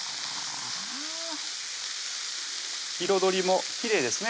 彩りもきれいですね